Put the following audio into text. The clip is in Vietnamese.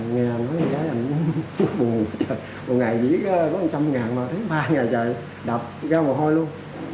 nghe anh nói vé này anh buồn một ngày chỉ có một trăm linh ngàn mà thứ ba ngày trời đập ra mồ hôi luôn